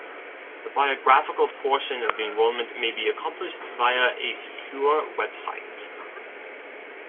The biographical portion of the enrollment may be accomplished via a secure web site.